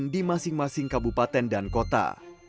di masing masing kabupaten dan kota